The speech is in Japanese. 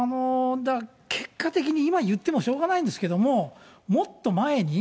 結果的に、今言ってもしょうがないんですけども、もっと前に、